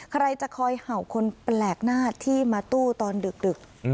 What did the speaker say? ใครจะคอยเห่าคนแปลกหน้าที่มาตู้ตอนดึก